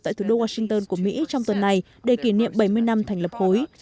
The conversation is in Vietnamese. tại thủ đô washington của mỹ trong tuần này để kỷ niệm bảy mươi năm thành lập khối